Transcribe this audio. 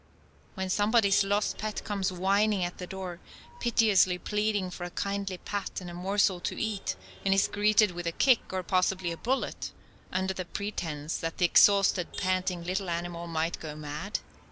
When somebody's lost pet comes whining at the door, piteously pleading for a kindly pat, and a morsel to eat, and is greeted with a kick, or possibly a bullet, under the pretense that the exhausted, panting little animal might go mad?